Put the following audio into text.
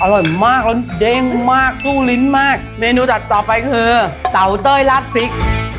อร่อยมากแล้วเด้งมากสู้ลิ้นมากเมนูดัดต่อไปคือเสาเต้ยราดพริก